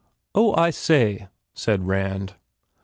"Oh, I say," said Rand.